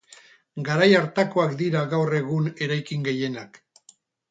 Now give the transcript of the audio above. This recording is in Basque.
Garai hartakoak dira gaur egungo eraikin gehienak.